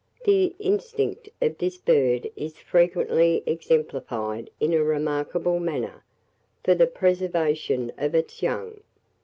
The instinct of this bird is frequently exemplified in a remarkable manner, for the preservation of its young.